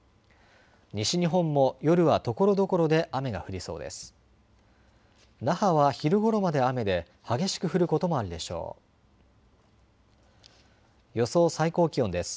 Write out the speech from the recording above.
西日本も夜はところどころで雨が降りそうです。